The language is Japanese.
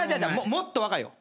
もっと若いよ。